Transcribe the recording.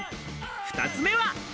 ２つ目は。